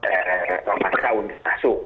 romansa undi pasu